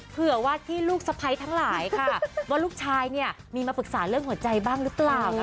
เผื่อว่าที่ลูกสะพ้ายทั้งหลายค่ะว่าลูกชายเนี่ยมีมาปรึกษาเรื่องหัวใจบ้างหรือเปล่านะคะ